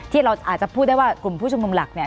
ที่เราอาจจะพูดได้ว่ากลุ่มผู้ชุมนุมหลักเนี่ย